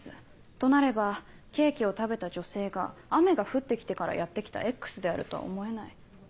となればケーキを食べた女性が雨が降って来てからやって来たＸであるとは思えない。